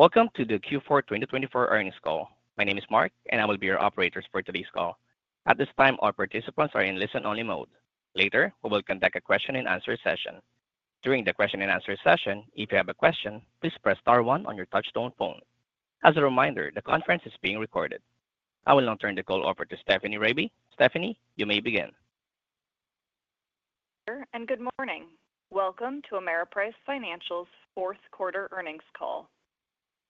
Welcome to the Q4 2024 earnings call. My name is Mark, and I will be your operator for today's call. At this time, all participants are in listen-only mode. Later, we will conduct a question-and-answer session. During the question-and-answer session, if you have a question, please press star one on your touch-tone phone. As a reminder, the conference is being recorded. I will now turn the call over to Stephanie Rabe. Stephanie, you may begin. Good morning. Welcome to Ameriprise Financial's fourth quarter earnings call.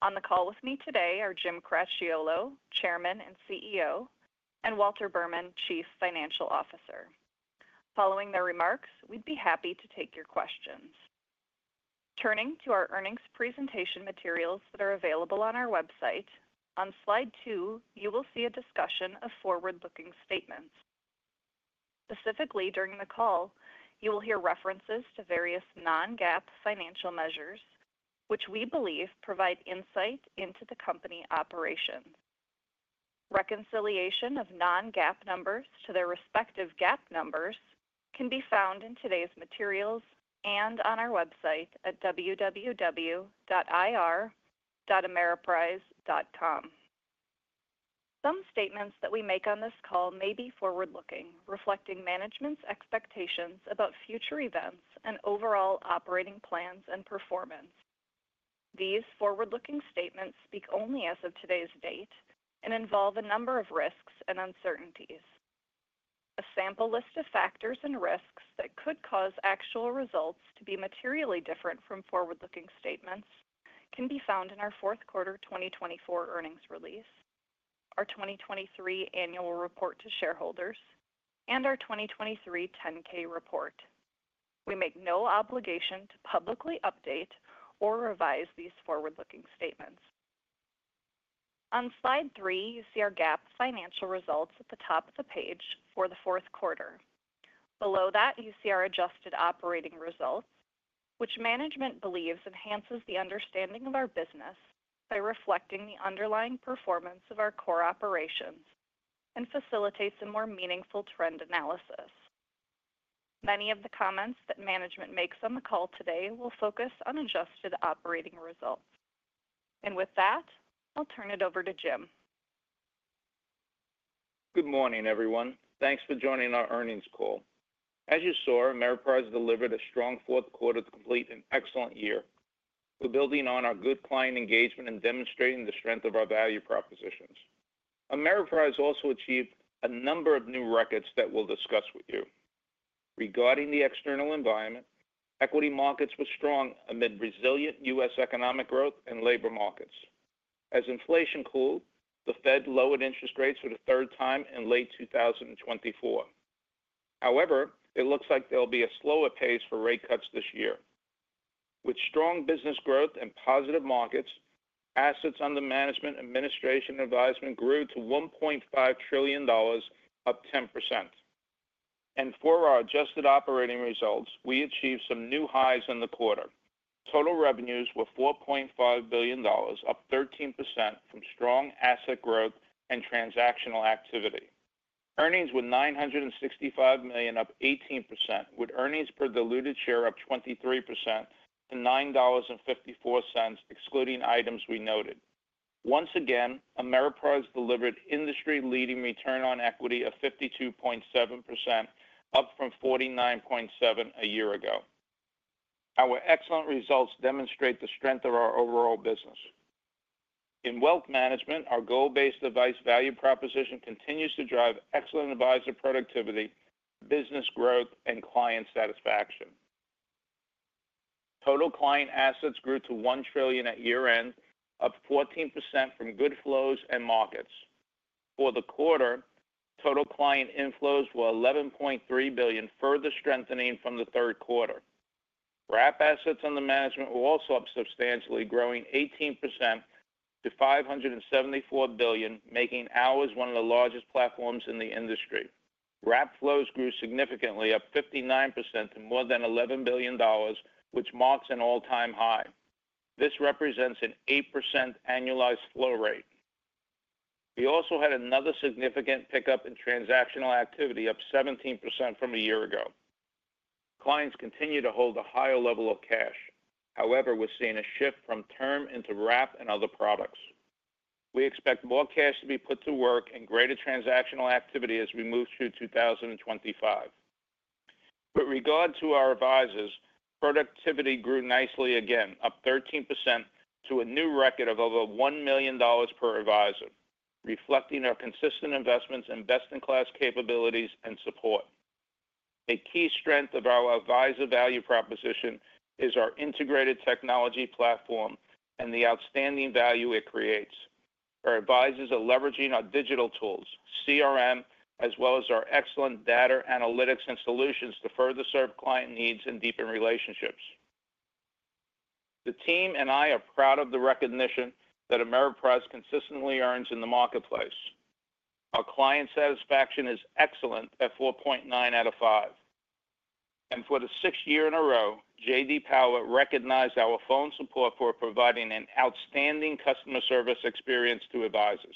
On the call with me today are Jim Cracchiolo, Chairman and CEO, and Walter Berman, CFO. Following their remarks, we'd be happy to take your questions. Turning to our earnings presentation materials that are available on our website, on Slide two, you will see a discussion of forward-looking statements. Specifically, during the call, you will hear references to various non-GAAP financial measures, which we believe provide insight into the company operations. Reconciliation of non-GAAP numbers to their respective GAAP numbers can be found in today's materials and on our website at www.ir.ameriprise.com. Some statements that we make on this call may be forward-looking, reflecting management's expectations about future events and overall operating plans and performance. These forward-looking statements speak only as of today's date and involve a number of risks and uncertainties. A sample list of factors and risks that could cause actual results to be materially different from forward-looking statements can be found in our fourth quarter 2024 earnings release, our 2023 annual report to shareholders, and our 2023 10-K report. We make no obligation to publicly update or revise these forward-looking statements. On Slide three, you see our GAAP financial results at the top of the page for the fourth quarter. Below that, you see our adjusted operating results, which management believes enhances the understanding of our business by reflecting the underlying performance of our core operations and facilitates a more meaningful trend analysis. Many of the comments that management makes on the call today will focus on adjusted operating results. And with that, I'll turn it over to Jim. Good morning, everyone. Thanks for joining our earnings call. As you saw, Ameriprise delivered a strong fourth quarter to complete an excellent year, building on our good client engagement and demonstrating the strength of our value propositions. Ameriprise also achieved a number of new records that we'll discuss with you. Regarding the external environment, equity markets were strong amid resilient U.S. economic growth and labor markets. As inflation cooled, the Fed lowered interest rates for the third time in late 2024. However, it looks like there'll be a slower pace for rate cuts this year. With strong business growth and positive markets, assets under management, administration, advisement grew to $1.5 trillion, up 10%, and for our adjusted operating results, we achieved some new highs in the quarter. Total revenues were $4.5 billion, up 13% from strong asset growth and transactional activity. Earnings were $965 million, up 18%, with earnings per diluted share up 23% to $9.54, excluding items we noted. Once again, Ameriprise delivered industry-leading return on equity of 52.7%, up from 49.7% a year ago. Our excellent results demonstrate the strength of our overall business. In wealth management, our goal-based advice value proposition continues to drive excellent advisor productivity, business growth, and client satisfaction. Total client assets grew to $1 trillion at year-end, up 14% from good flows and markets. For the quarter, total client inflows were $11.3 billion, further strengthening from the third quarter. Wrap assets under management were also up substantially, growing 18% to $574 billion, making ours one of the largest platforms in the industry. Wrap flows grew significantly, up 59% to more than $11 billion, which marks an all-time high. This represents an 8% annualized flow rate. We also had another significant pickup in transactional activity, up 17% from a year ago. Clients continue to hold a higher level of cash. However, we're seeing a shift from term into wrap and other products. We expect more cash to be put to work and greater transactional activity as we move through 2025. With regard to our advisors, productivity grew nicely again, up 13% to a new record of over $1 million per advisor, reflecting our consistent investments and best-in-class capabilities and support. A key strength of our advisor value proposition is our integrated technology platform and the outstanding value it creates. Our advisors are leveraging our digital tools, CRM, as well as our excellent data analytics and solutions to further serve client needs and deepen relationships. The team and I are proud of the recognition that Ameriprise consistently earns in the marketplace. Our client satisfaction is excellent at 4.9 out of five. And for the sixth year in a row, J.D. Power recognized our phone support for providing an outstanding customer service experience to advisors.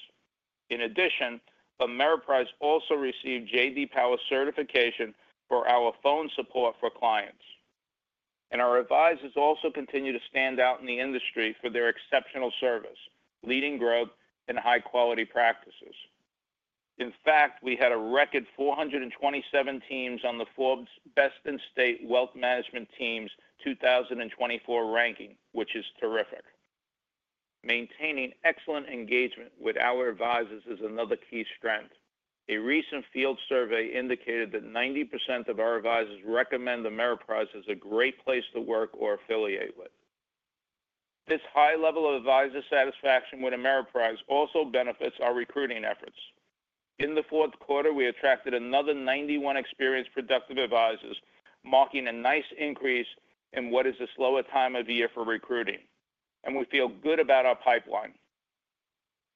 In addition, Ameriprise also received J.D. Power certification for our phone support for clients. And our advisors also continue to stand out in the industry for their exceptional service, leading growth, and high-quality practices. In fact, we had a record 427 teams on the Forbes Best-in-State Wealth Management Teams 2024 ranking, which is terrific. Maintaining excellent engagement with our advisors is another key strength. A recent field survey indicated that 90% of our advisors recommend Ameriprise as a great place to work or affiliate with. This high level of advisor satisfaction with Ameriprise also benefits our recruiting efforts. In the fourth quarter, we attracted another 91 experienced productive advisors, marking a nice increase in what is a slower time of year for recruiting, and we feel good about our pipeline.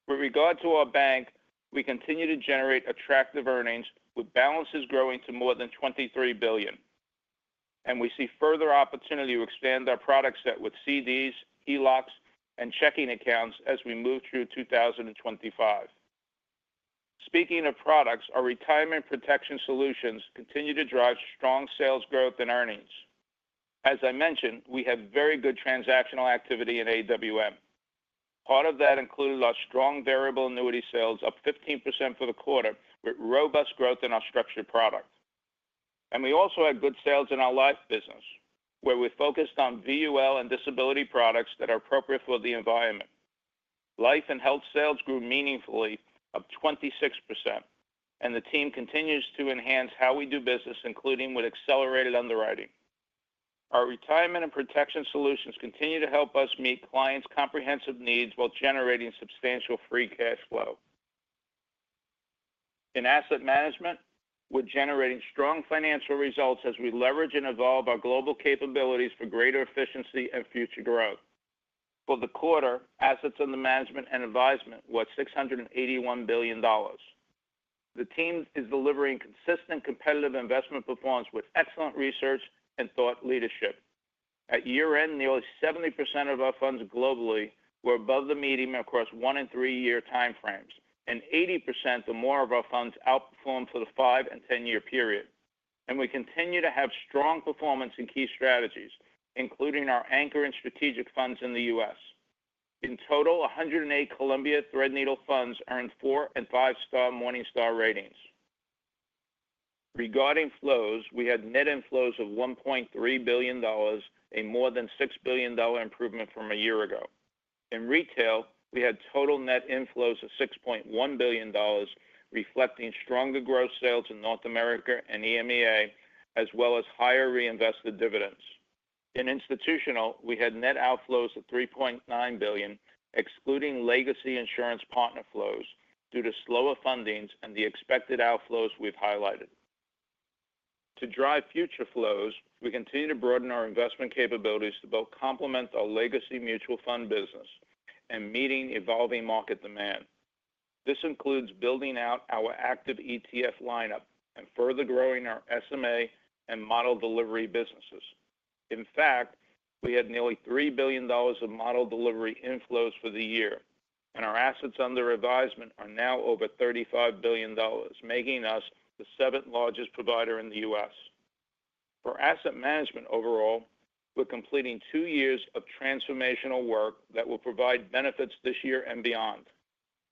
With regard to our bank, we continue to generate attractive earnings, with balances growing to more than $23 billion, and we see further opportunity to expand our product set with CDs, ELOCs, and checking accounts as we move through 2025. Speaking of products, our retirement protection solutions continue to drive strong sales growth and earnings. As I mentioned, we have very good transactional activity in AWM. Part of that included our strong variable annuity sales, up 15% for the quarter, with robust growth in our structured product, and we also had good sales in our life business, where we focused on VUL and disability products that are appropriate for the environment. Life and health sales grew meaningfully, up 26%, and the team continues to enhance how we do business, including with accelerated underwriting. Our retirement and protection solutions continue to help us meet clients' comprehensive needs while generating substantial free cash flow. In asset management, we're generating strong financial results as we leverage and evolve our global capabilities for greater efficiency and future growth. For the quarter, assets under management and advisement were $681 billion. The team is delivering consistent competitive investment performance with excellent research and thought leadership. At year-end, nearly 70% of our funds globally were above the median across one and three-year timeframes, and 80% or more of our funds outperformed for the five and ten-year period, and we continue to have strong performance in key strategies, including our anchor and strategic funds in the U.S. In total, 108 Columbia Threadneedle funds earned four and five-star Morningstar ratings. Regarding flows, we had net inflows of $1.3 billion, a more than $6 billion improvement from a year ago. In retail, we had total net inflows of $6.1 billion, reflecting stronger gross sales in North America and EMEA, as well as higher reinvested dividends. In institutional, we had net outflows of $3.9 billion, excluding legacy insurance partner flows, due to slower fundings and the expected outflows we've highlighted. To drive future flows, we continue to broaden our investment capabilities to both complement our legacy mutual fund business and meet evolving market demand. This includes building out our active ETF lineup and further growing our SMA and model delivery businesses. In fact, we had nearly $3 billion of model delivery inflows for the year, and our assets under advisement are now over $35 billion, making us the seventh largest provider in the U.S. For asset management overall, we're completing two years of transformational work that will provide benefits this year and beyond.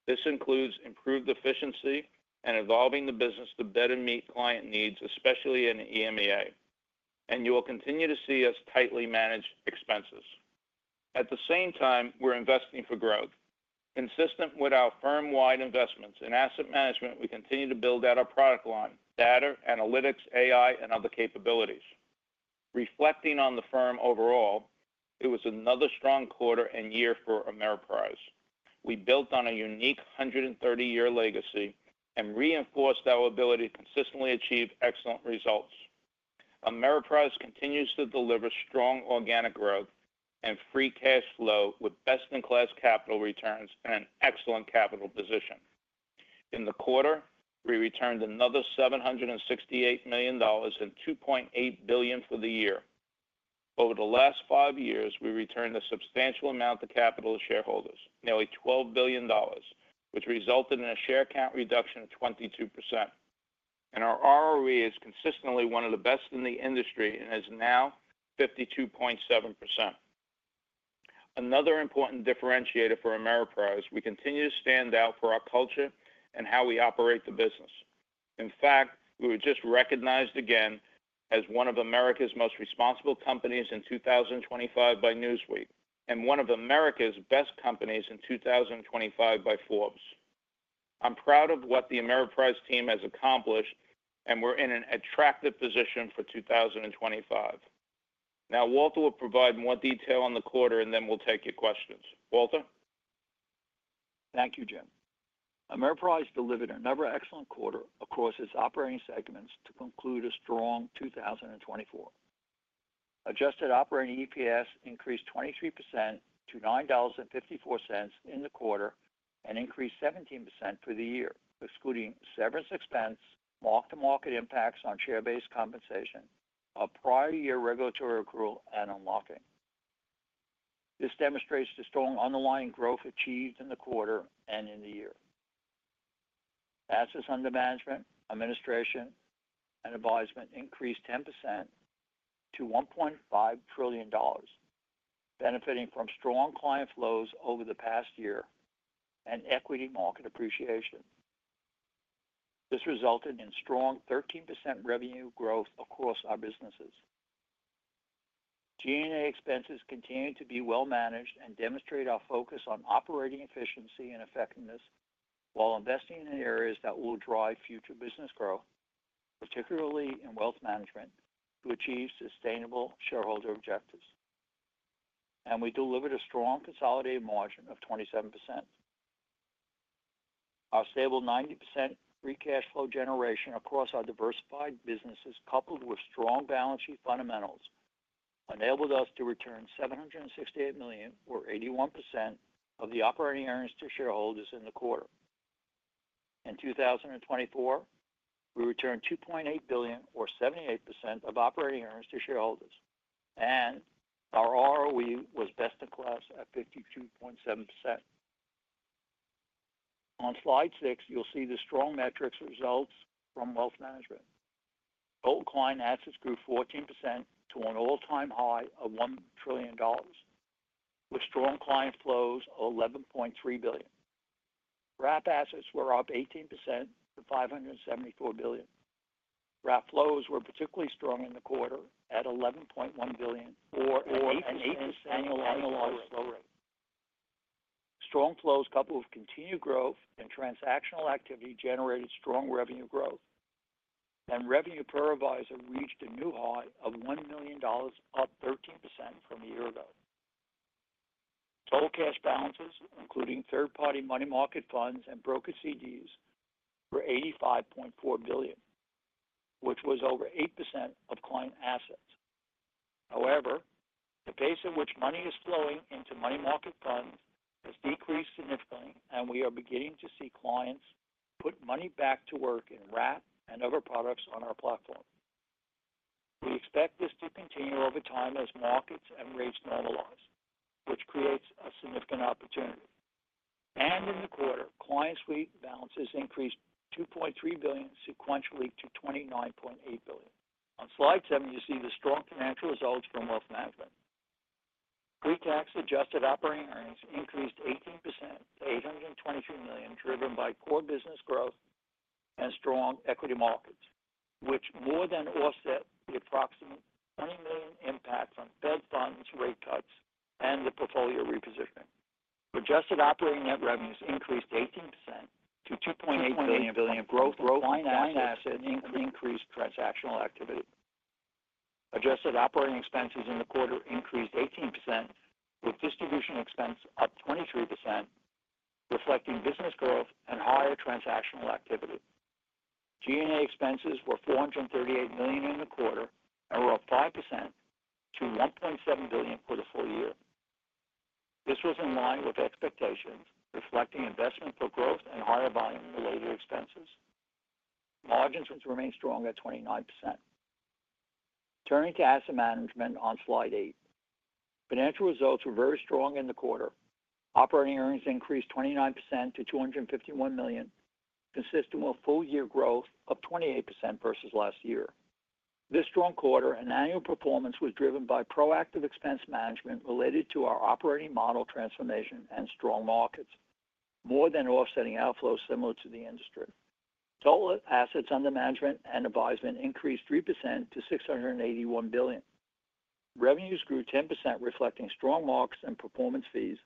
This includes improved efficiency and evolving the business to better meet client needs, especially in EMEA. And you will continue to see us tightly manage expenses. At the same time, we're investing for growth. Consistent with our firm-wide investments in asset management, we continue to build out our product line, data, analytics, AI, and other capabilities. Reflecting on the firm overall, it was another strong quarter and year for Ameriprise. We built on a unique 130-year legacy and reinforced our ability to consistently achieve excellent results. Ameriprise continues to deliver strong organic growth and free cash flow with best-in-class capital returns and an excellent capital position. In the quarter, we returned another $768 million and $2.8 billion for the year. Over the last five years, we returned a substantial amount of capital to shareholders, nearly $12 billion, which resulted in a share count reduction of 22%. Our ROE is consistently one of the best in the industry and is now 52.7%. Another important differentiator for Ameriprise, we continue to stand out for our culture and how we operate the business. In fact, we were just recognized again as one of America's Most Responsible Companies in 2025 by Newsweek and one of America's Best Companies in 2025 by Forbes. I'm proud of what the Ameriprise team has accomplished, and we're in an attractive position for 2025. Now, Walter will provide more detail on the quarter, and then we'll take your questions. Walter? Thank you, Jim. Ameriprise delivered a number of excellent quarters across its operating segments to conclude a strong 2024. Adjusted operating EPS increased 23% to $9.54 in the quarter and increased 17% for the year, excluding severance expense, mark-to-market impacts on share-based compensation, a prior-year regulatory accrual, and unlocking. This demonstrates the strong underlying growth achieved in the quarter and in the year. Assets under management, administration, and advisement increased 10% to $1.5 trillion, benefiting from strong client flows over the past year and equity market appreciation. This resulted in strong 13% revenue growth across our businesses. G&A expenses continue to be well-managed and demonstrate our focus on operating efficiency and effectiveness while investing in areas that will drive future business growth, particularly in wealth management, to achieve sustainable shareholder objectives. And we delivered a strong consolidated margin of 27%. Our stable 90% free cash flow generation across our diversified businesses, coupled with strong balance sheet fundamentals, enabled us to return $768 million, or 81% of the operating earnings to shareholders in the quarter. In 2024, we returned $2.8 billion, or 78% of operating earnings to shareholders, and our ROE was best-in-class at 52.7%. On Slide six, you'll see the strong metrics results from wealth management. Total client assets grew 14% to an all-time high of $1 trillion, with strong client flows of $11.3 billion. Wrap assets were up 18% to $574 billion. Wrap flows were particularly strong in the quarter at $11.1 billion, or an 8% annualized flow rate. Strong flows, coupled with continued growth and transactional activity, generated strong revenue growth. Revenue per advisor reached a new high of $1 million, up 13% from a year ago. Total cash balances, including third-party money market funds and broker CDs, were $85.4 billion, which was over 8% of client assets. However, the pace at which money is flowing into money market funds has decreased significantly, and we are beginning to see clients put money back to work in wrap and other products on our platform. We expect this to continue over time as markets and rates normalize, which creates a significant opportunity, and in the quarter, client sweep balances increased $2.3 billion sequentially to $29.8 billion. On Slide seven, you see the strong financial results from wealth management. Pre-tax adjusted operating earnings increased 18% to $823 million, driven by core business growth and strong equity markets, which more than offset the approximate $20 million impact from Fed funds rate cuts and the portfolio repositioning. Adjusted operating net revenues increased 18% to $2.8 billion, growth from client assets increased transactional activity. Adjusted operating expenses in the quarter increased 18%, with distribution expense up 23%, reflecting business growth and higher transactional activity. G&A expenses were $438 million in the quarter and were up 5% to $1.7 billion for the full year. This was in line with expectations, reflecting investment for growth and higher volume-related expenses. Margins remained strong at 29%. Turning to asset management on Slide eight, financial results were very strong in the quarter. Operating earnings increased 29% to $251 million, consistent with full-year growth of 28% versus last year. This strong quarter, annual performance was driven by proactive expense management related to our operating model transformation and strong markets, more than offsetting outflows similar to the industry. Total assets under management and advisement increased 3% to $681 billion. Revenues grew 10%, reflecting strong marks and performance fees,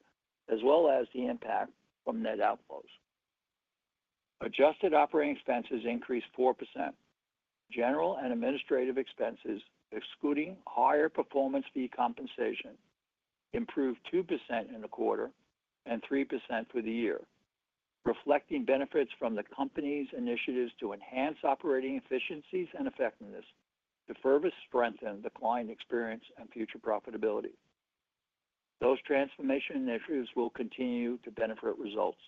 as well as the impact from net outflows. Adjusted operating expenses increased 4%. General and administrative expenses, excluding higher performance fee compensation, improved 2% in the quarter and 3% for the year, reflecting benefits from the company's initiatives to enhance operating efficiencies and effectiveness to further strengthen the client experience and future profitability. Those transformation initiatives will continue to benefit results.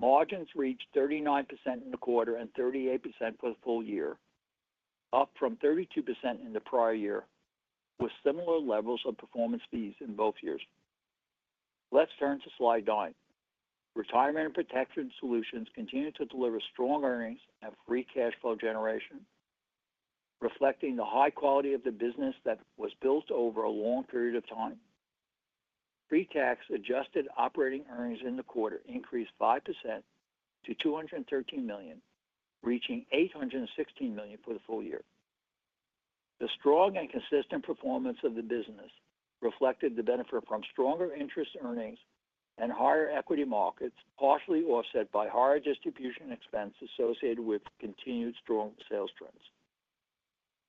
Margins reached 39% in the quarter and 38% for the full year, up from 32% in the prior year, with similar levels of performance fees in both years. Let's turn to Slide nine. Retirement and protection solutions continue to deliver strong earnings and free cash flow generation, reflecting the high quality of the business that was built over a long period of time. Pre-tax adjusted operating earnings in the quarter increased 5% to $213 million, reaching $816 million for the full year. The strong and consistent performance of the business reflected the benefit from stronger interest earnings and higher equity markets, partially offset by higher distribution expenses associated with continued strong sales trends.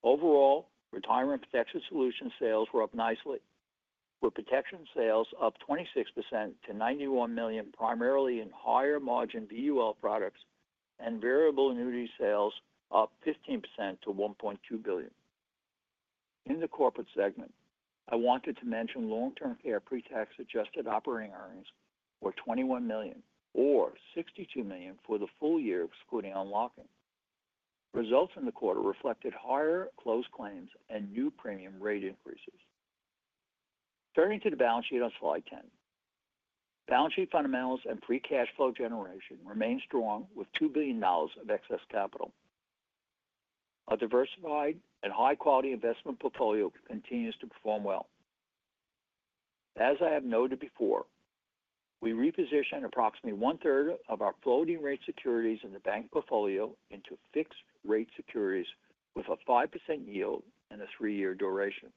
Overall, retirement protection solution sales were up nicely, with protection sales up 26% to $91 million, primarily in higher margin VUL products and variable annuity sales, up 15% to $1.2 billion. In the corporate segment, I wanted to mention long-term care pre-tax adjusted operating earnings were $21 million, or $62 million for the full year, excluding unlocking. Results in the quarter reflected higher claims costs and new premium rate increases. Turning to the balance sheet on Slide 10, balance sheet fundamentals and free cash flow generation remain strong with $2 billion of excess capital. A diversified and high-quality investment portfolio continues to perform well. As I have noted before, we repositioned approximately one-third of our floating-rate securities in the bank portfolio into fixed-rate securities with a 5% yield and a three-year duration.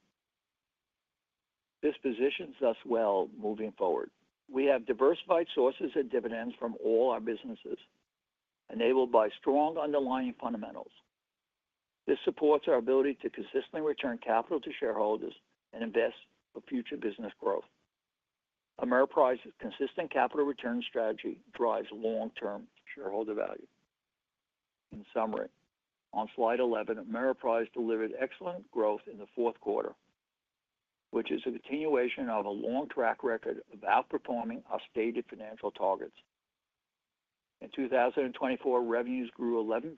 This positions us well moving forward. We have diversified sources of dividends from all our businesses, enabled by strong underlying fundamentals. This supports our ability to consistently return capital to shareholders and invest for future business growth. Ameriprise's consistent capital return strategy drives long-term shareholder value. In summary, on Slide 11, Ameriprise delivered excellent growth in the fourth quarter, which is a continuation of a long track record of outperforming our stated financial targets. In 2024, revenues grew 11%.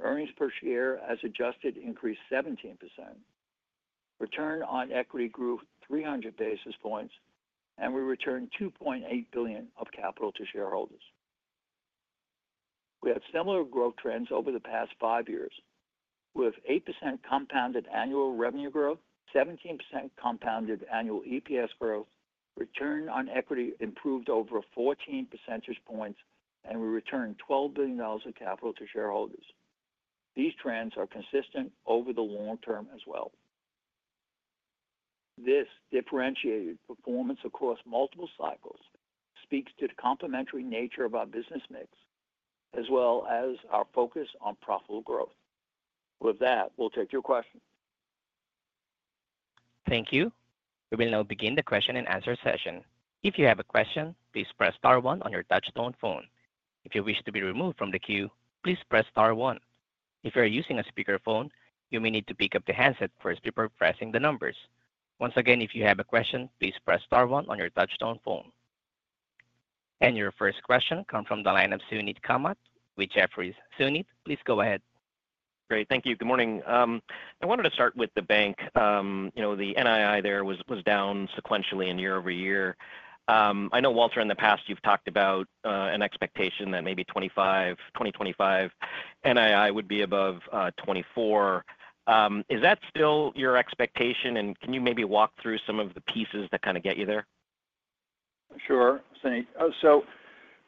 Earnings per share, as adjusted, increased 17%. Return on equity grew 300 basis points, and we returned $2.8 billion of capital to shareholders. We have similar growth trends over the past five years, with 8% compounded annual revenue growth, 17% compounded annual EPS growth. Return on equity improved over 14 percentage points, and we returned $12 billion of capital to shareholders. These trends are consistent over the long term as well. This differentiated performance across multiple cycles speaks to the complementary nature of our business mix, as well as our focus on profitable growth. With that, we'll take your questions. Thank you. We will now begin the question and answer session. If you have a question, please press star one on your touch-tone phone. If you wish to be removed from the queue, please press star one. If you are using a speakerphone, you may need to pick up the handset first before pressing the numbers. Once again, if you have a question, please press star one on your touch-tone phone. Your first question comes from the line of Suneet Kamath with Jefferies. Suneet, please go ahead. Great. Thank you. Good morning. I wanted to start with the bank. You know, the NII there was down sequentially, year over year. I know, Walter, in the past, you've talked about an expectation that maybe 2025 NII would be above 24. Is that still your expectation, and can you maybe walk through some of the pieces that kind of get you there? Sure. So,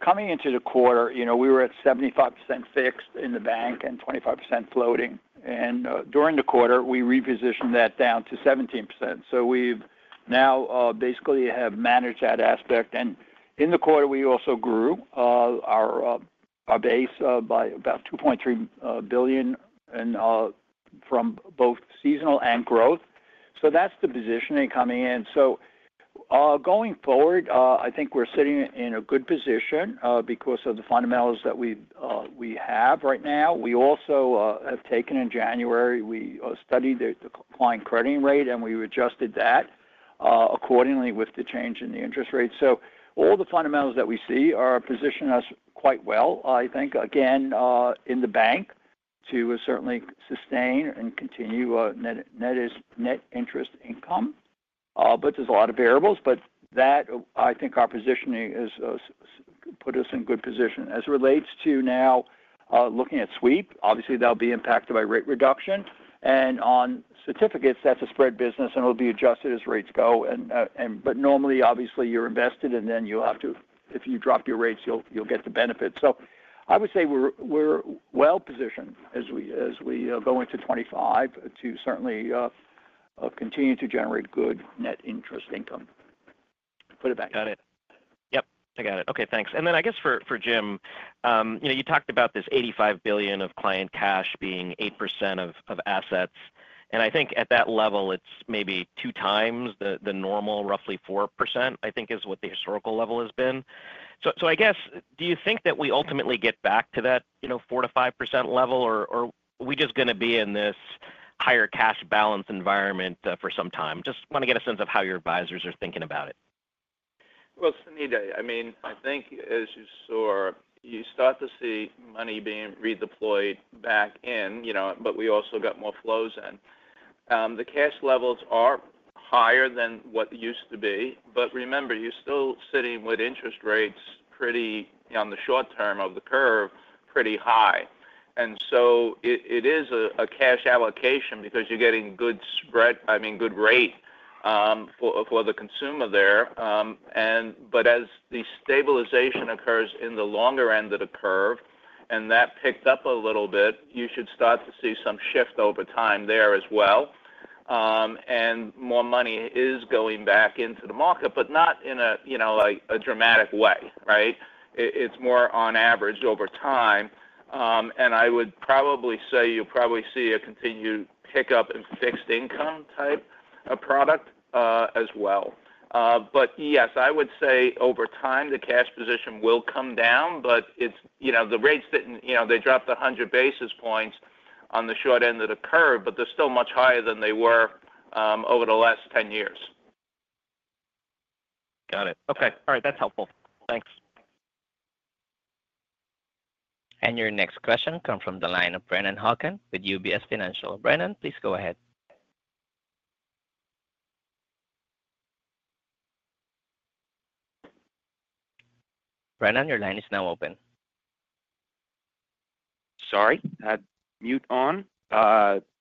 coming into the quarter, you know, we were at 75% fixed in the bank and 25% floating. And during the quarter, we repositioned that down to 17%. So we've now basically have managed that aspect. And in the quarter, we also grew our base by about $2.3 billion from both seasonal and growth. So that's the positioning coming in. So, going forward, I think we're sitting in a good position because of the fundamentals that we have right now. We also have taken in January, we studied the client crediting rate, and we adjusted that accordingly with the change in the interest rate. So all the fundamentals that we see are positioning us quite well, I think. Again, in the bank, to certainly sustain and continue net interest income. But there's a lot of variables. But that, I think our positioning has put us in good position. As it relates to now looking at sweep, obviously, that'll be impacted by rate reduction, and on certificates, that's a spread business, and it'll be adjusted as rates go, but normally, obviously, you're invested, and then you'll have to, if you drop your rates, you'll get the benefit. So I would say we're well positioned as we go into 2025 to certainly continue to generate good net interest income. Put it back. Got it. Yep, I got it. Okay, thanks. And then I guess for Jim, you know, you talked about this $85 billion of client cash being 8% of assets. And I think at that level, it's maybe two times the normal, roughly 4%, I think, is what the historical level has been. So I guess, do you think that we ultimately get back to that, you know, 4%-5% level, or are we just going to be in this higher cash balance environment for some time? Just want to get a sense of how your advisors are thinking about it. Suneet, I mean, I think, as you saw, you start to see money being redeployed back in, you know, but we also got more flows in. The cash levels are higher than what used to be. But remember, you're still sitting with interest rates pretty high on the short term of the curve. And so it is a cash allocation because you're getting good spread, I mean, good rate for the consumer there. And but as the stabilization occurs in the longer end of the curve, and that picked up a little bit, you should start to see some shift over time there as well. And more money is going back into the market, but not in a, you know, a dramatic way, right? It's more on average over time. I would probably say you'll probably see a continued pickup in fixed income type of product as well. Yes, I would say over time, the cash position will come down, but it's, you know, the rates didn't, you know, they dropped 100 basis points on the short end of the curve, but they're still much higher than they were over the last 10 years. Got it. Okay. All right. That's helpful. Thanks. Your next question comes from the line of Brennan Hawken with UBS Financial Services. Brennan, please go ahead. Brennan, your line is now open. Sorry. Had mute on.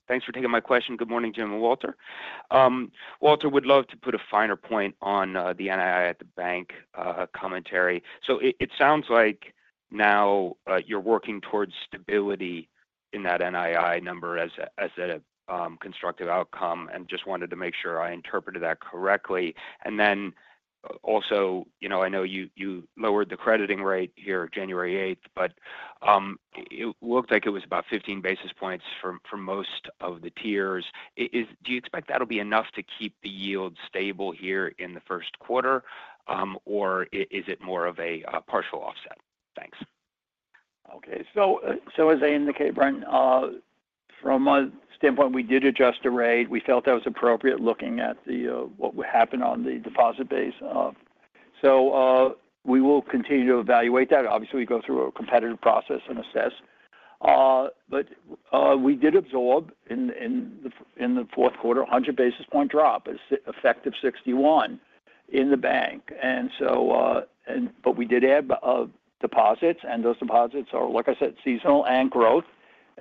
Thanks for taking my question. Good morning, Jim and Walter. Walter, would love to put a finer point on the NII at the bank commentary. So it sounds like now you're working towards stability in that NII number as a constructive outcome, and just wanted to make sure I interpreted that correctly. And then also, you know, I know you lowered the crediting rate here January 8th, but it looked like it was about 15 basis points for most of the tiers. Do you expect that'll be enough to keep the yield stable here in the first quarter, or is it more of a partial offset? Thanks. Okay. So as I indicate, Brennan, from my standpoint, we did adjust the rate. We felt that was appropriate looking at what happened on the deposit base. So we will continue to evaluate that. Obviously, we go through a competitive process and assess. But we did absorb in the fourth quarter a 100 basis point drop, effective Q1 in the bank. And so, but we did add deposits, and those deposits are, like I said, seasonal and growth.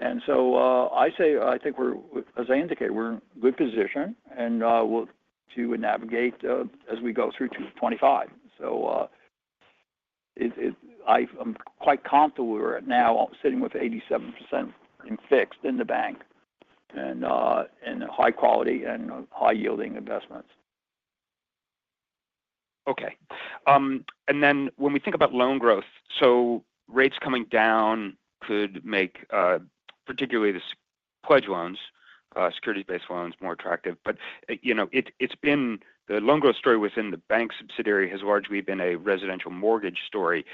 And so I say, I think we're, as I indicate, we're in good position, and we'll continue to navigate as we go through 2025. So I'm quite confident we're now sitting with 87% in fixed in the bank and high-quality and high-yielding investments. Okay. And then when we think about loan growth, so rates coming down could make particularly the pledged loans, securities-based loans, more attractive. But, you know, it's been the loan growth story within the bank subsidiary has largely been a residential mortgage story.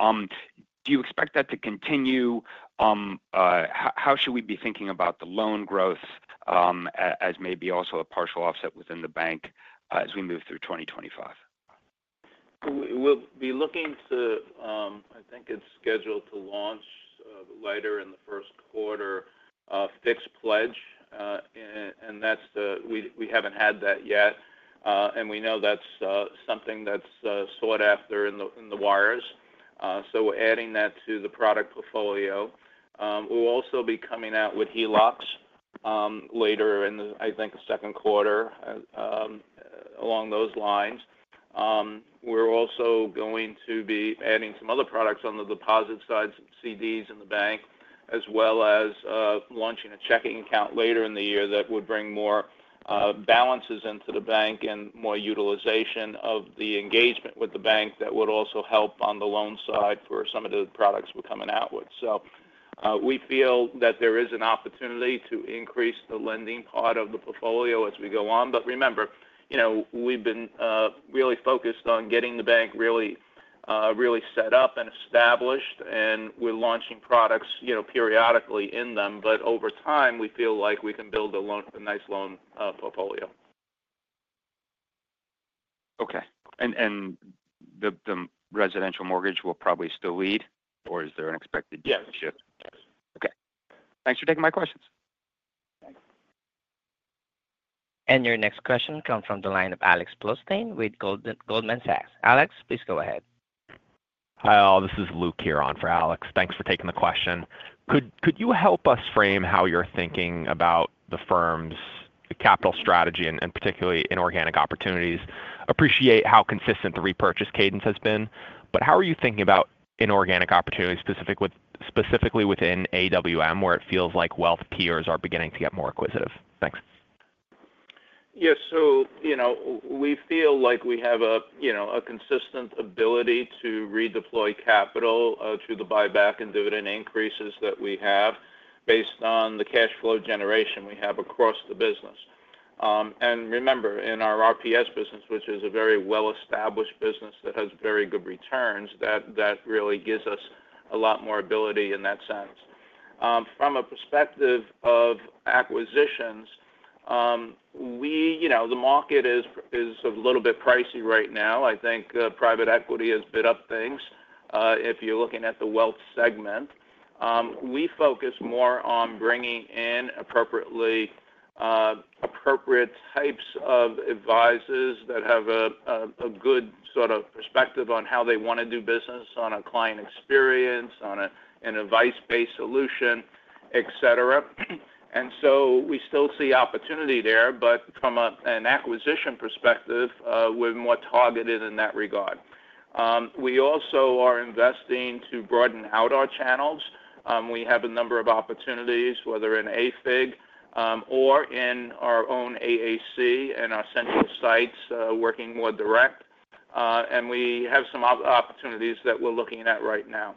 Do you expect that to continue? How should we be thinking about the loan growth as maybe also a partial offset within the bank as we move through 2025? We'll be looking to, I think it's scheduled to launch later in the first quarter, a fixed-rate pledged asset line. And that's the one we haven't had yet. And we know that's something that's sought after in the wires. So we're adding that to the product portfolio. We'll also be coming out with HELOCs later in, I think, the second quarter along those lines. We're also going to be adding some other products on the deposit side, some CDs in the bank, as well as launching a checking account later in the year that would bring more balances into the bank and more utilization of the engagement with the bank that would also help on the loan side for some of the products we're coming out with. So we feel that there is an opportunity to increase the lending part of the portfolio as we go on. But remember, you know, we've been really focused on getting the bank really, really set up and established, and we're launching products, you know, periodically in them. But over time, we feel like we can build a nice loan portfolio. Okay. And the residential mortgage will probably still lead, or is there an expected shift? Yes. Okay. Thanks for taking my questions. Thanks. Your next question comes from the line of Alex Blostein with Goldman Sachs. Alex, please go ahead. Hi, all. This is Luke here in for Alex. Thanks for taking the question. Could you help us frame how you're thinking about the firm's capital strategy and particularly inorganic opportunities? Appreciate how consistent the repurchase cadence has been. But how are you thinking about inorganic opportunities specifically within AWM, where it feels like wealth peers are beginning to get more acquisitive? Thanks. Yes. So, you know, we feel like we have a, you know, a consistent ability to redeploy capital to the buyback and dividend increases that we have based on the cash flow generation we have across the business. And remember, in our RPS business, which is a very well-established business that has very good returns, that really gives us a lot more ability in that sense. From a perspective of acquisitions, we, you know, the market is a little bit pricey right now. I think private equity has bid up things if you're looking at the wealth segment. We focus more on bringing in appropriate types of advisors that have a good sort of perspective on how they want to do business, on a client experience, on an advice-based solution, et cetera. And so we still see opportunity there, but from an acquisition perspective, we're more targeted in that regard. We also are investing to broaden out our channels. We have a number of opportunities, whether in AFIG or in our own AAC and our central sites working more direct. And we have some opportunities that we're looking at right now.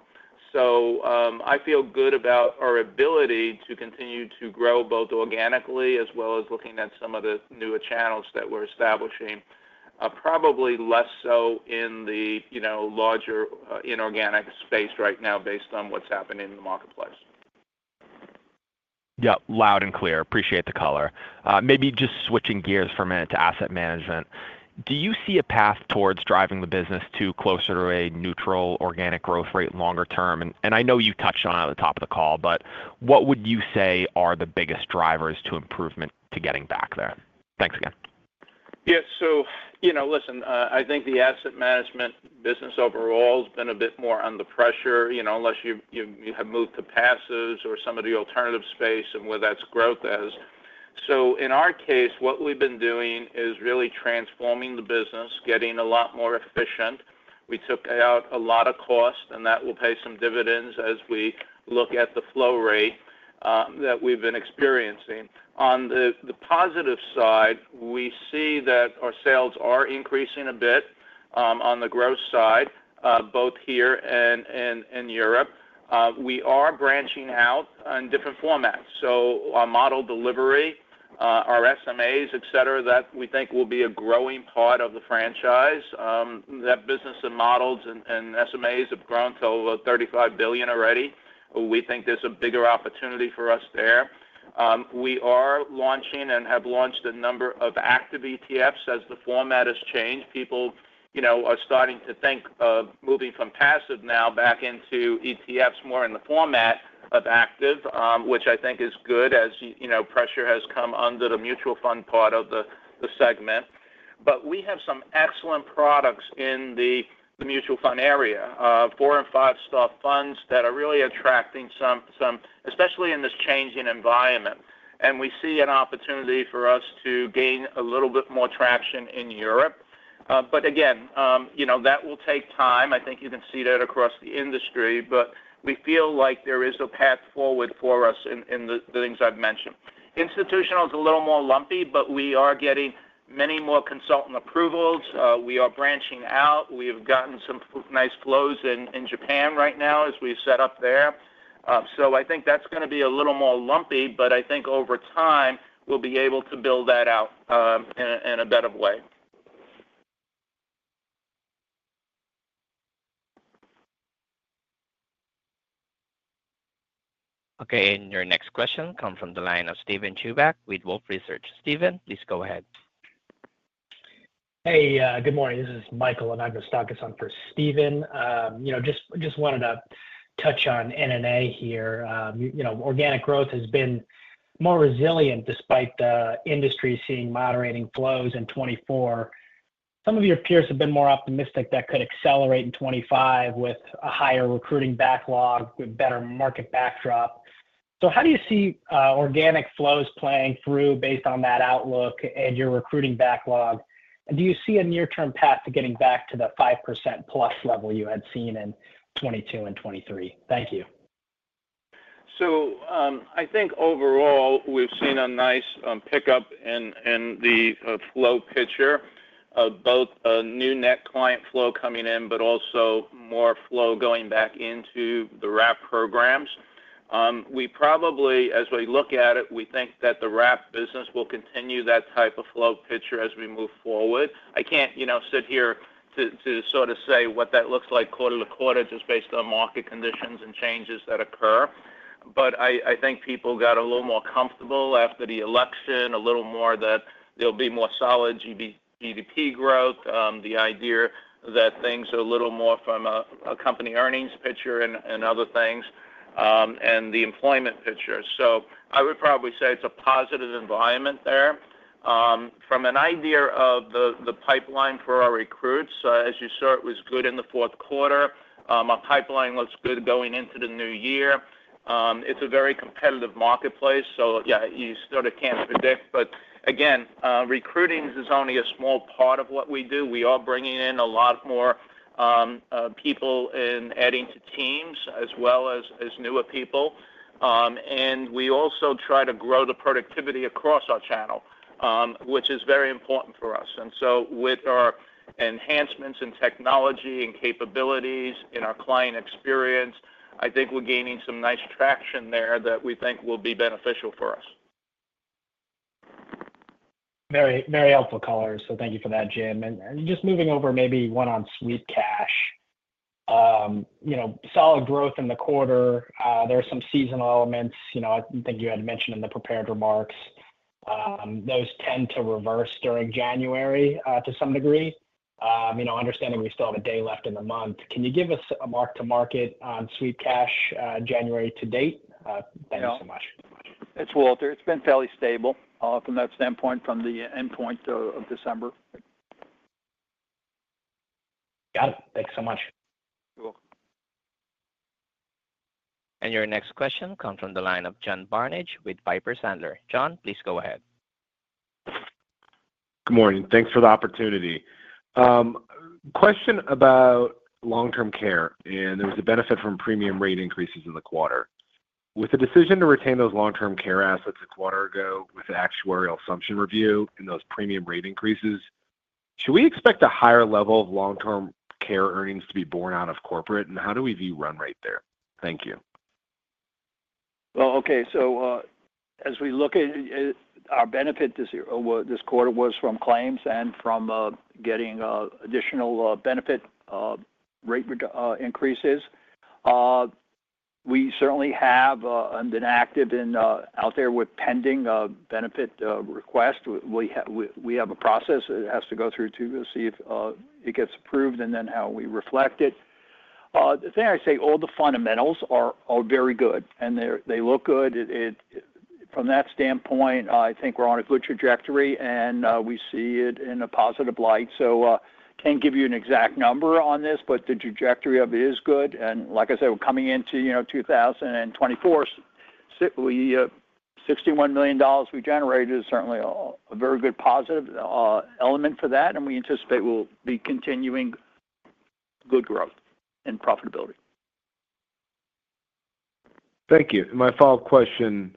So I feel good about our ability to continue to grow both organically as well as looking at some of the newer channels that we're establishing, probably less so in the, you know, larger inorganic space right now based on what's happening in the marketplace. Yeah. Loud and clear. Appreciate the color. Maybe just switching gears for a minute to asset management. Do you see a path towards driving the business to closer to a neutral organic growth rate longer term? And I know you touched on it at the top of the call, but what would you say are the biggest drivers to improvement to getting back there? Thanks again. Yes. So, you know, listen, I think the asset management business overall has been a bit more under pressure, you know, unless you have moved to passives or some of the alternative space and where that's growth as. So in our case, what we've been doing is really transforming the business, getting a lot more efficient. We took out a lot of cost, and that will pay some dividends as we look at the flow rate that we've been experiencing. On the positive side, we see that our sales are increasing a bit on the growth side, both here and in Europe. We are branching out in different formats. So our model delivery, our SMAs, et cetera, that we think will be a growing part of the franchise. That business and models and SMAs have grown to over $35 billion already. We think there's a bigger opportunity for us there. We are launching and have launched a number of active ETFs as the format has changed. People, you know, are starting to think of moving from passive now back into ETFs more in the format of active, which I think is good as, you know, pressure has come under the mutual fund part of the segment. But we have some excellent products in the mutual fund area, four and five-star funds that are really attracting some, especially in this changing environment. And we see an opportunity for us to gain a little bit more traction in Europe. But again, you know, that will take time. I think you can see that across the industry, but we feel like there is a path forward for us in the things I've mentioned. Institutional is a little more lumpy, but we are getting many more consultant approvals. We are branching out. We have gotten some nice flows in Japan right now as we set up there, so I think that's going to be a little more lumpy, but I think over time, we'll be able to build that out in a better way. Okay. And your next question comes from the line of Steven Chubak with Wolfe Research. Steven, please go ahead. Hey, good morning. This is Michael Anagostakos, and I'm standing in for Steven Chubak. You know, just wanted to touch on NNA here. You know, organic growth has been more resilient despite the industry seeing moderating flows in 2024. Some of your peers have been more optimistic that could accelerate in 2025 with a higher recruiting backlog, with better market backdrop. So how do you see organic flows playing through based on that outlook and your recruiting backlog? And do you see a near-term path to getting back to the 5% plus level you had seen in 2022 and 2023? Thank you. So I think overall, we've seen a nice pickup in the flow picture of both new net client flow coming in, but also more flow going back into the wrap programs. We probably, as we look at it, we think that the wrap business will continue that type of flow picture as we move forward. I can't, you know, sit here to sort of say what that looks like quarter to quarter just based on market conditions and changes that occur. But I think people got a little more comfortable after the election, a little more that there'll be more solid GDP growth, the idea that things are a little more from a company earnings picture and other things, and the employment picture. So I would probably say it's a positive environment there. Give an idea of the pipeline for our recruits, as you saw, it was good in the fourth quarter. Our pipeline looks good going into the new year. It's a very competitive marketplace. So yeah, you sort of can't predict. But again, recruiting is only a small part of what we do. We are bringing in a lot more people and adding to teams as well as newer people. And we also try to grow the productivity across our channel, which is very important for us. And so with our enhancements in technology and capabilities in our client experience, I think we're gaining some nice traction there that we think will be beneficial for us. Very, very helpful color. So thank you for that, Jim. And just moving over maybe one on sweep cash, you know, solid growth in the quarter. There are some seasonal elements, you know, I think you had mentioned in the prepared remarks. Those tend to reverse during January to some degree. You know, understanding we still have a day left in the month. Can you give us a mark-to-market on sweep cash January to date? Thanks so much. It's Walter. It's been fairly stable from that standpoint, from the endpoint of December. Got it. Thanks so much. You're welcome. Your next question comes from the line of John Barnidge with Piper Sandler. John, please go ahead. Good morning. Thanks for the opportunity. Question about long-term care, and there was a benefit from premium rate increases in the quarter. With the decision to retain those long-term care assets a quarter ago with the actuarial assumption review and those premium rate increases, should we expect a higher level of long-term care earnings to be borne out of corporate? And how do we view run rate there? Thank you. Okay, so as we look at our benefit this quarter was from claims and from getting additional benefit rate increases, we certainly have been active and out there with pending benefit requests. We have a process that has to go through to see if it gets approved and then how we reflect it. The thing I say, all the fundamentals are very good, and they look good. From that standpoint, I think we're on a good trajectory, and we see it in a positive light. So I can't give you an exact number on this, but the trajectory of it is good, and like I said, we're coming into 2024. $61 million we generated is certainly a very good positive element for that, and we anticipate we'll be continuing good growth and profitability. Thank you. My follow-up question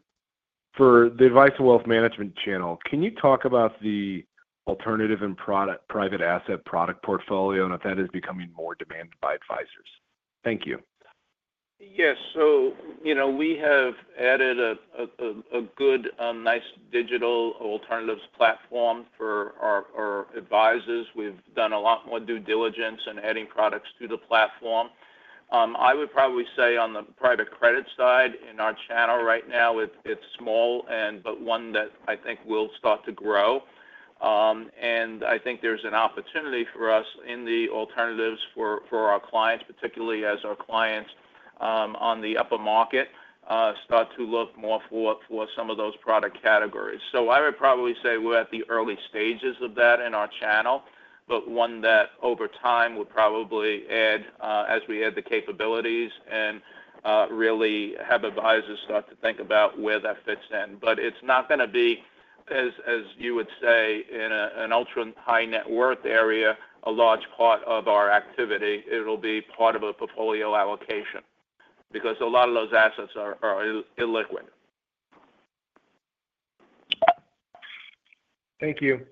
for the advice and wealth management channel. Can you talk about the alternative and private asset product portfolio and if that is becoming more demanded by advisors? Thank you. Yes. So, you know, we have added a good, nice digital alternatives platform for our advisors. We've done a lot more due diligence in adding products to the platform. I would probably say on the private credit side in our channel right now, it's small, but one that I think will start to grow. And I think there's an opportunity for us in the alternatives for our clients, particularly as our clients on the upper market start to look more for some of those product categories. So I would probably say we're at the early stages of that in our channel, but one that over time would probably add as we add the capabilities and really have advisors start to think about where that fits in. But it's not going to be, as you would say, in an ultra-high net worth area, a large part of our activity. It'll be part of a portfolio allocation because a lot of those assets are illiquid. Thank you.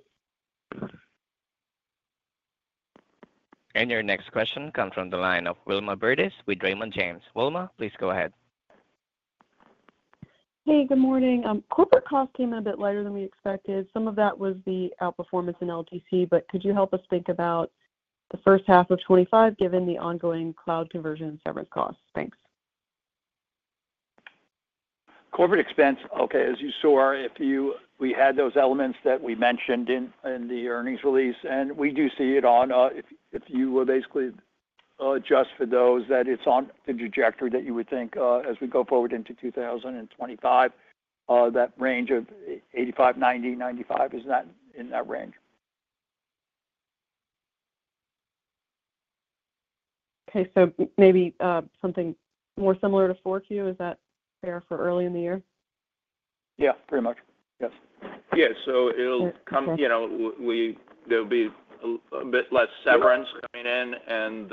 And your next question comes from the line of Wilma Burdis with Raymond James. Wilma, please go ahead. Hey, good morning. Corporate costs came in a bit lighter than we expected. Some of that was the outperformance in LTC, but could you help us think about the first half of 2025 given the ongoing cloud conversion and severance costs? Thanks. Corporate expense, okay. As you saw, we had those elements that we mentioned in the earnings release, and we do see it on if you were basically adjust for those that it's on the trajectory that you would think as we go forward into 2025. That range of 85, 90, 95 is not in that range. Okay. So maybe something more similar to 4Q, is that fair for early in the year? Yeah, pretty much. Yes. Yeah. So it'll come, you know, there'll be a bit less severance coming in. And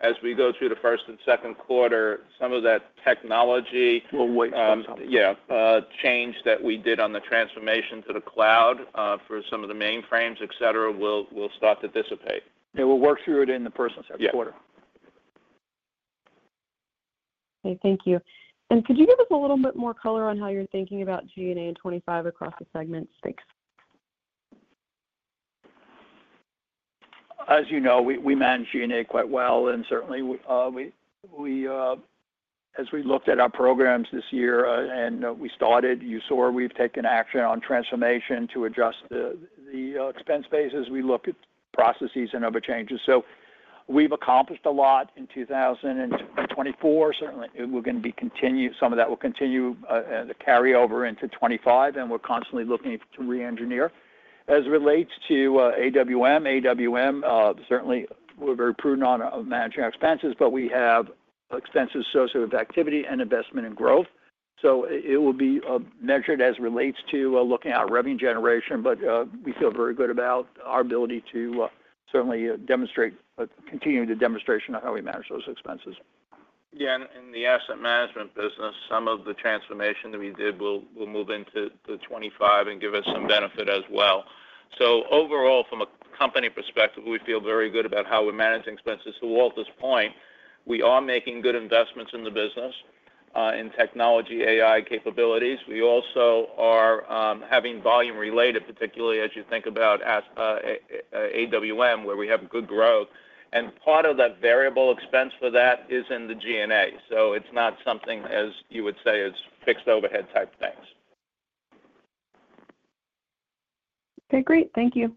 as we go through the first and second quarter, some of that technology. We'll wait for something. Yeah. The change that we did on the transformation to the cloud for some of the mainframes, et cetera, will start to dissipate. They will work through it in the first and second quarter. Okay. Thank you. And could you give us a little bit more color on how you're thinking about G&A in 2025 across the segments? Thanks. As you know, we manage G&A quite well, and certainly, as we looked at our programs this year and we started, you saw we've taken action on transformation to adjust the expense basis. We look at processes and other changes, so we've accomplished a lot in 2024. Certainly, we're going to be continuing some of that will continue the carryover into 2025, and we're constantly looking to re-engineer. As it relates to AWM, AWM certainly we're very prudent on managing our expenses, but we have expenses associated with activity and investment and growth, so it will be measured as it relates to looking at our revenue generation, but we feel very good about our ability to certainly demonstrate continuing the demonstration of how we manage those expenses. Yeah. And in the asset management business, some of the transformation that we did will move into the 2025 and give us some benefit as well. So overall, from a company perspective, we feel very good about how we're managing expenses. To Walter's point, we are making good investments in the business in technology, AI capabilities. We also are having volume related, particularly as you think about AWM, where we have good growth. And part of that variable expense for that is in the G&A. So it's not something, as you would say, as fixed overhead type things. Okay. Great. Thank you.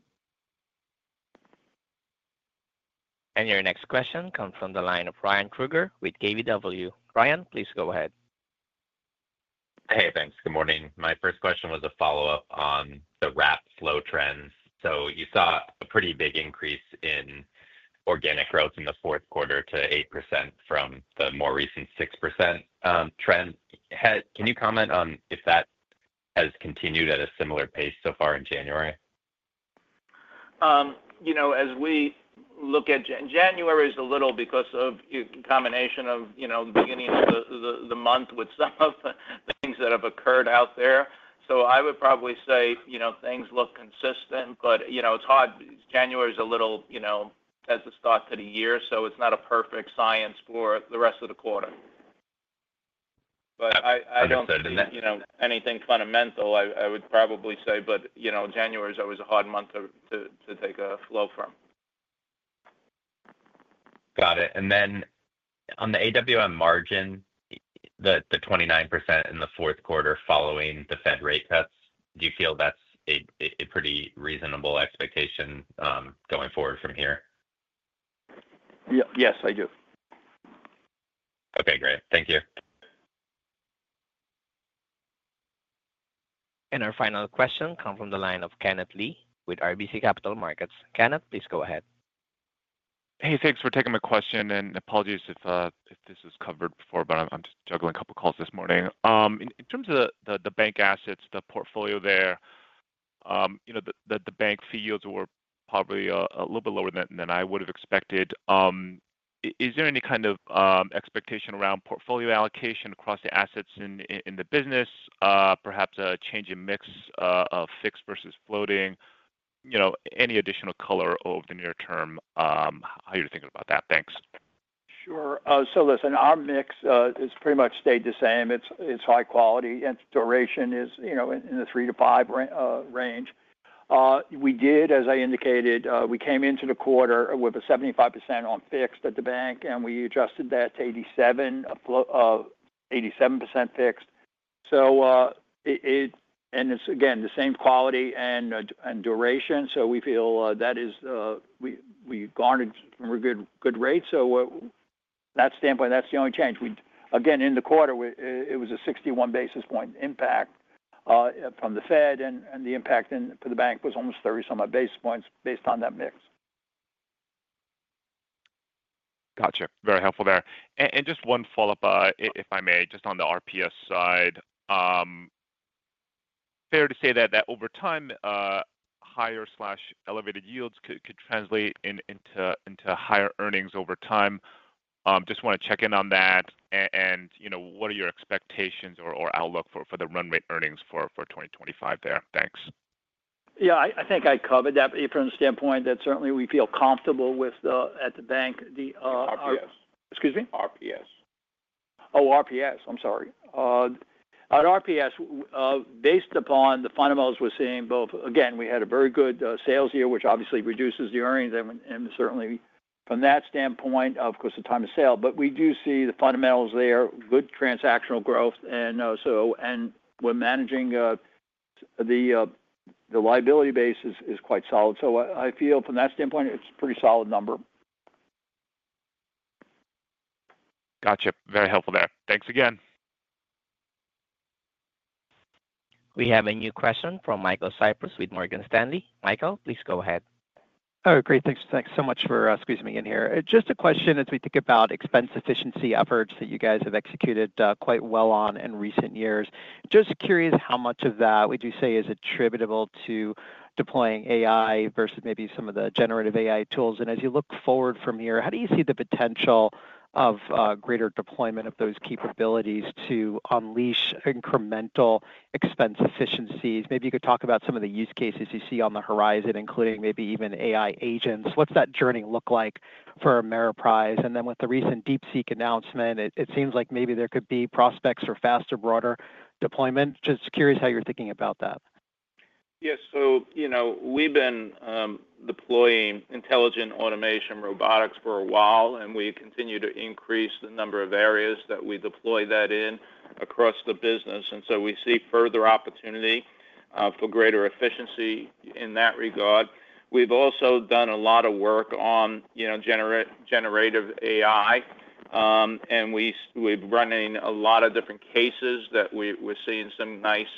Your next question comes from the line of Ryan Krueger with KBW. Ryan, please go ahead. Hey, thanks. Good morning. My first question was a follow-up on the wrap flow trends, so you saw a pretty big increase in organic growth in the fourth quarter to 8% from the more recent 6% trend. Can you comment on if that has continued at a similar pace so far in January? You know, as we look at January, it's a little because of the combination of, you know, the beginning of the month with some of the things that have occurred out there. So I would probably say, you know, things look consistent, but, you know, it's hard. January is a little, you know, has a start to the year, so it's not a perfect science for the rest of the quarter. But I don't think, you know, anything fundamental, I would probably say, but, you know, January is always a hard month to take a flow from. Got it. And then on the AWM margin, the 29% in the fourth quarter following the Fed rate cuts, do you feel that's a pretty reasonable expectation going forward from here? Yes, I do. Okay. Great. Thank you. Our final question comes from the line of Kenneth Lee with RBC Capital Markets. Kenneth, please go ahead. Hey, thanks for taking my question. And apologies if this was covered before, but I'm just juggling a couple of calls this morning. In terms of the bank assets, the portfolio there, you know, the bank yields were probably a little bit lower than I would have expected. Is there any kind of expectation around portfolio allocation across the assets in the business, perhaps a change in mix of fixed versus floating, you know, any additional color over the near term? How are you thinking about that? Thanks. Sure. So listen, our mix has pretty much stayed the same. It's high quality. Its duration is, you know, in the three to five range. We did, as I indicated, we came into the quarter with a 75% on fixed at the bank, and we adjusted that to 87% fixed. So it, and it's again, the same quality and duration. So we feel that is, we garnered some good rates. So that standpoint, that's the only change. Again, in the quarter, it was a 61 basis point impact from the Fed, and the impact for the bank was almost 30-some odd basis points based on that mix. Gotcha. Very helpful there. And just one follow-up, if I may, just on the RPS side. Fair to say that over time, higher, elevated yields could translate into higher earnings over time. Just want to check in on that. And, you know, what are your expectations or outlook for the run rate earnings for 2025 there? Thanks. Yeah. I think I covered that from the standpoint that certainly we feel comfortable with at the bank. RPS. Excuse me? RPS. Oh, RPS. I'm sorry. At RPS, based upon the fundamentals we're seeing, both, again, we had a very good sales year, which obviously reduces the earnings. And certainly, from that standpoint, of course, the time of sale, but we do see the fundamentals there, good transactional growth. And so, and we're managing the liability base is quite solid. So I feel from that standpoint, it's a pretty solid number. Gotcha. Very helpful there. Thanks again. We have a new question from Michael Cyprys with Morgan Stanley. Michael, please go ahead. All right. Great. Thanks so much for squeezing me in here. Just a question as we think about expense efficiency efforts that you guys have executed quite well on in recent years. Just curious how much of that would you say is attributable to deploying AI versus maybe some of the generative AI tools? And as you look forward from here, how do you see the potential of greater deployment of those capabilities to unleash incremental expense efficiencies? Maybe you could talk about some of the use cases you see on the horizon, including maybe even AI agents. What's that journey look like for Ameriprise? And then with the recent DeepSeek announcement, it seems like maybe there could be prospects for faster, broader deployment. Just curious how you're thinking about that. Yes. So, you know, we've been deploying intelligent automation robotics for a while, and we continue to increase the number of areas that we deploy that in across the business. And so we see further opportunity for greater efficiency in that regard. We've also done a lot of work on, you know, generative AI, and we've run in a lot of different cases that we're seeing some nice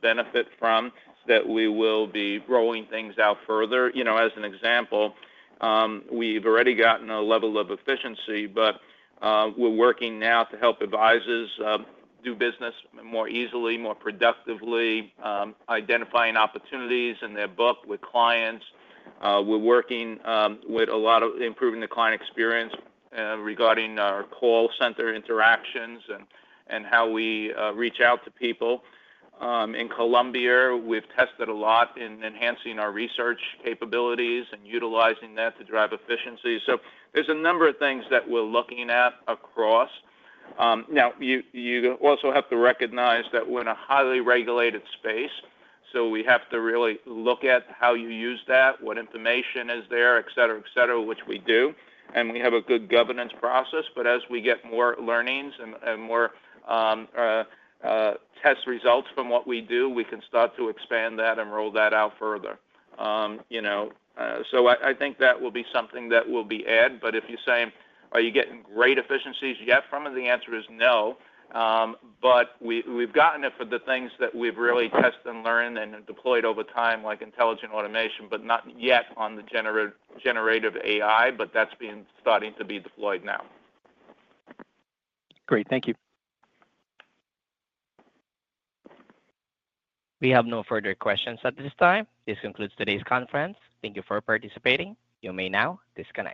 benefit from that we will be rolling things out further. You know, as an example, we've already gotten a level of efficiency, but we're working now to help advisors do business more easily, more productively, identifying opportunities in their book with clients. We're working with a lot of improving the client experience regarding our call center interactions and how we reach out to people. In Colombia, we've tested a lot in enhancing our research capabilities and utilizing that to drive efficiency. So, there's a number of things that we're looking at across. Now, you also have to recognize that we're in a highly regulated space, so we have to really look at how you use that, what information is there, et cetera, et cetera, which we do. And we have a good governance process, but as we get more learnings and more test results from what we do, we can start to expand that and roll that out further. You know, so I think that will be something that will be added. But if you're saying, are you getting great efficiencies yet? The answer is no, but we've gotten it for the things that we've really tested and learned and deployed over time, like intelligent automation, but not yet on the generative AI, but that's been starting to be deployed now. Great. Thank you. We have no further questions at this time. This concludes today's conference. Thank you for participating. You may now disconnect.